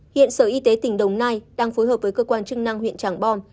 hiện sở y tế tỉnh đồng nai đang phối hợp với cơ quan chức năng huyện tràng bom